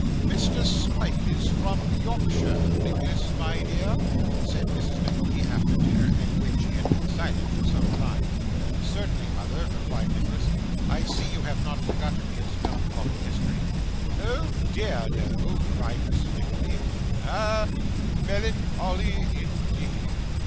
'Mr. Smike is from Yorkshire, Nicholas, my dear?' said Mrs. Nickleby, after dinner, and when she had been silent for some time. 'Certainly, mother,' replied Nicholas. 'I see you have not forgotten his melancholy history.' 'O dear no,' cried Mrs. Nickleby. 'Ah! melancholy, indeed.